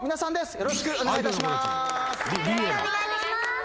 よろしくお願いします。